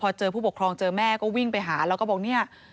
อายเพื่อนติดไว้แบบนี้ค่ะ